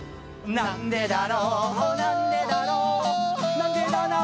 「なんでだなんでだろう」